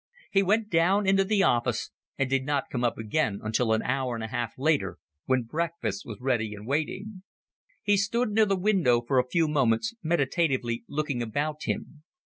He went down into the office, and did not come up again until an hour and a half later, when breakfast was ready and waiting. He stood near the window for a few moments, meditatively looking about him.